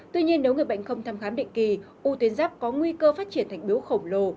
tuy nhiên nếu người bệnh không thăm khám định kỳ u tuyến giáp có nguy cơ phát triển thành biếu khổng lồ